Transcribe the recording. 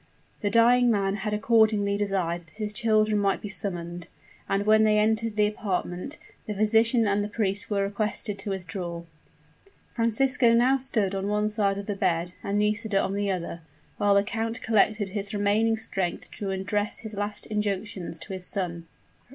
The dying man had accordingly desired that his children might be summoned; and when they entered the apartment, the physician and the priest were requested to withdraw. Francisco now stood on one side of the bed, and Nisida on the other; while the count collected his remaining strength to address his last injunctions to his son.